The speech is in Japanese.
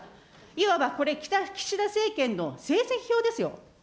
いわばこれ、岸田政権の成績表ですよ。